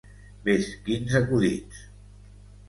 Ves quins acudits!